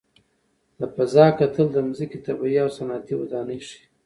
له فضا کتل د ځمکې طبیعي او صنعتي ودانۍ ښيي.